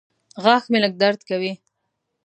غاښ مې لږ درد کوي.